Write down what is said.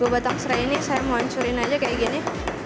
dua batang serai ini saya mau hancurin aja kayak gini